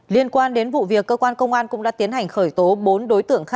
liên quan đến vụ việc cơ quan công an cũng đã tiến hành khởi tố bốn đối tượng